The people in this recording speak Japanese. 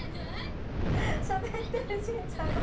しゃべってるしんちゃんが！